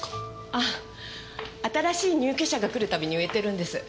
あ新しい入居者が来るたびに植えてるんです。